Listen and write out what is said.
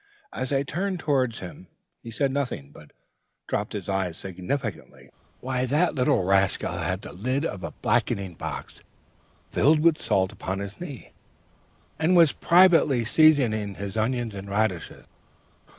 As I turned towards him, he said nothing, but dropped his eyes significantly. The little rascal had the lid of a blacking box, filled with salt, upon his knee, and was privately seasoning his onions and radishes.